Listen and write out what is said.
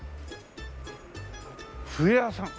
「笛屋」さん。